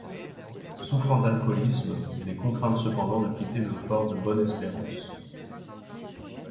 Souffrant d'alcoolisme, elle est contrainte cependant de quitter le Fort de Bonne-Espérance.